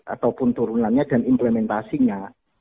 ataupun turunannya dan implementasinya